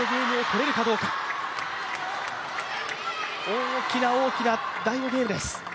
大きな大きな第５ゲームです。